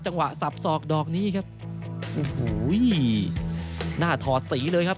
จังหวะสับสอกดอกนี้ครับโอ้โหหน้าถอดสีเลยครับ